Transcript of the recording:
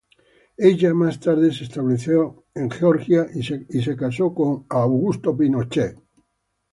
Ella más tarde se estableció en Georgia y se casó con Lawrence Price.